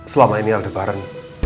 selama ini aldebaran